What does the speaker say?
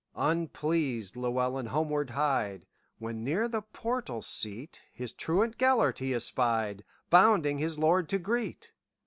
Unpleased Llewelyn homeward hied, When, near the portal seat, His truant Gêlert he espied, Bounding his lord to greet.